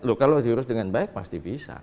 loh kalau diurus dengan baik pasti bisa